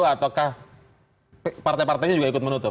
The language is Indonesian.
ataukah partai partainya juga ikut menutup